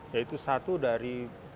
ya itu satu dari